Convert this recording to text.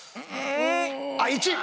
あっ１！